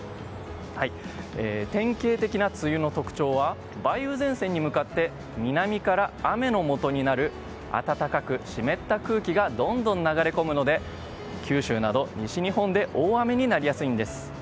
典型的な梅雨の特徴は梅雨前線に向かって南から雨のもとになる暖かく湿った空気がどんどん流れ込むので九州など西日本で大雨になりやすいんです。